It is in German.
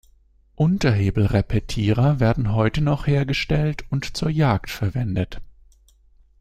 Unterhebelrepetierer werden heute noch hergestellt und zur Jagd verwendet.